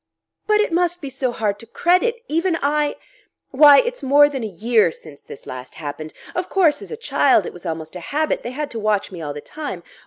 "But it must be so hard to credit! Even I... Why, it's more than a year since this last happened. Of course, as a child, it was almost a habit; they had to watch me all the time.